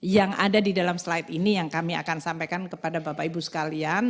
yang ada di dalam slide ini yang kami akan sampaikan kepada bapak ibu sekalian